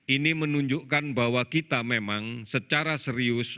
ini menunjukkan bahwa kita memang secara serius